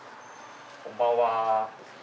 こんばんは。